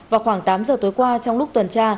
vào khoảng tám giờ tối qua trong lúc tuần tra